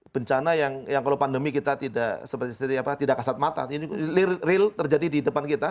bencana yang kalau pandemi kita tidak kasat mata ini real terjadi di depan kita